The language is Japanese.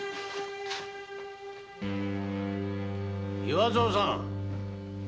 岩蔵さん。